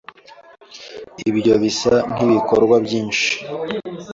Ibyo bisa nkibikorwa byinshi.